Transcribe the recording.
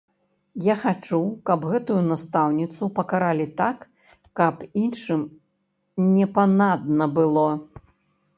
Я хачу, каб гэтую настаўніцу пакаралі так, каб іншым непанадна было.